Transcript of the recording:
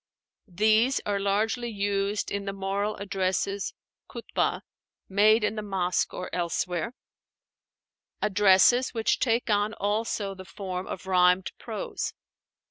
These are largely used in the moral addresses (Khútbah) made in the mosque or elsewhere, addresses which take on also the form of rhymed prose.